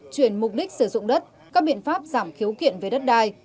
chuyển mục đích sử dụng đất các biện pháp giảm khiếu kiện về đất đai